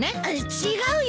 違うよ